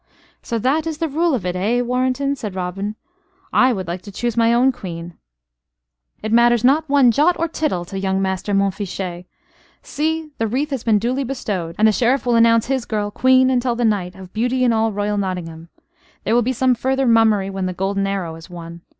"So that is the rule of it, eh, Warrenton?" said Robin. "I would like to choose my own Queen " "It matters not one jot or tittle to young Master Montfichet. See the wreath has been duly bestowed and the Sheriff will announce his girl Queen, until the night, of Beauty in all Royal Nottingham. There will be some further mummery when the golden arrow is won.